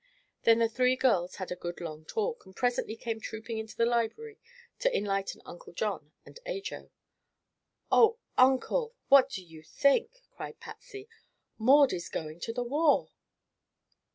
Then the three girls had "a good, long talk" and presently came trooping into the library to enlighten Uncle John and Ajo. "Oh, Uncle! What do you think?" cried Patsy. "Maud is going to the war!"